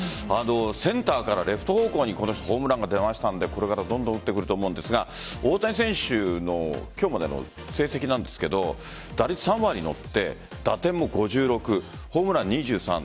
センターからレフト方向にホームランが出ましたのでこれからどんどん打ってくると思うんですが大谷選手の今日までの成績なんですが打率３割に乗って、打点も５６ホームラン、２３。